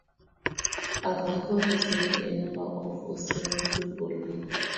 Avoca has had a number of Australian Football League.